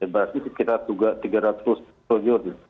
berarti sekitar tiga ratus triliun